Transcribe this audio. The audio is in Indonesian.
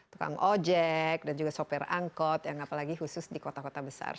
tukang ojek dan juga sopir angkot yang apalagi khusus di kota kota besar